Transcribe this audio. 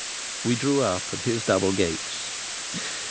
We drew up at his double gates.